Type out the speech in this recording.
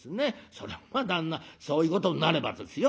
そりゃまあ旦那そういうことになればですよ